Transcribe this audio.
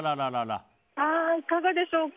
いかがでしょうか？